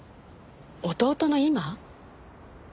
弟の今？